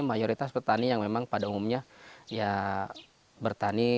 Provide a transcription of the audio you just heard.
mayoritas petani yang memang pada umumnya ya bertani